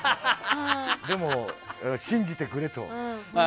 でも、信じてくれと。